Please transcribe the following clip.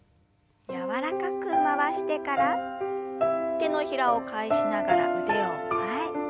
柔らかく回してから手のひらを返しながら腕を前。